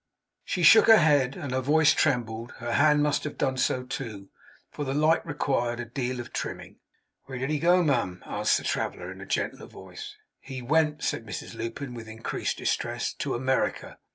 She shook her head, and her voice trembled; her hand must have done so too, for the light required a deal of trimming. 'Where did he go, ma'am?' asked the traveller, in a gentler voice. 'He went,' said Mrs Lupin, with increased distress, 'to America.